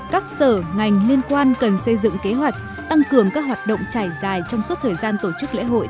các sở ngành liên quan cần xây dựng kế hoạch tăng cường các hoạt động trải dài trong suốt thời gian tổ chức lễ hội